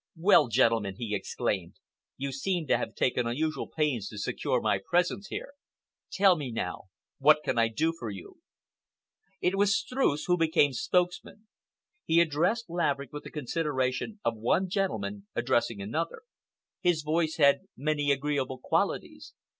"Well, gentlemen," he exclaimed, "you seem to have taken unusual pains to secure my presence here! Tell me now, what can I do for you?" It was Streuss who became spokesman. He addressed Laverick with the consideration of one gentleman addressing another. His voice had many agreeable qualities.